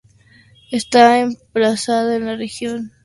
Está emplazada en la región parisiense de Le Kremlin-Bicêtre.